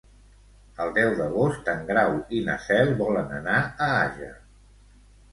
El deu d'agost en Grau i na Cel volen anar a Àger.